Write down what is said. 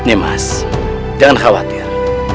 imas jangan khawatir